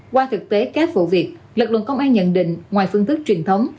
qua thực tế các vụ việc lực lượng công an nhận định ngoài phương thức truyền thống